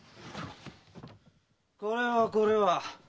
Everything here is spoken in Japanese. これはこれは！